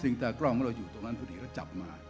สิ่งแต่กล้องที่เราอยู่ตรงนั้นพอดีก็จะจับมา